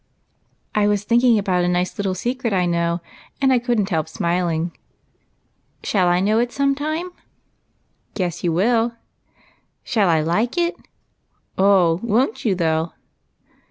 "I was thinking about a nice little secret I know, and could n't help smiling." " Shall I know it sometime ?"" Guess you will." "Shall I like it?" " Oh, won't you, though